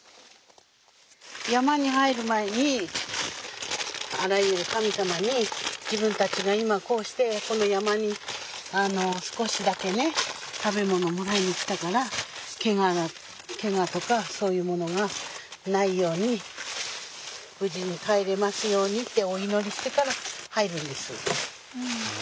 山に入る前にあらゆる神様に自分たちが今こうしてこの山に少しだけね食べ物もらいに来たからけがとかそういうものがないように無事に帰れますようにってお祈りしてから入るんです。